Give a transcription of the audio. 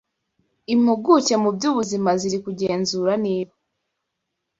Impuguke mu by’ubuzima ziri kugenzura niba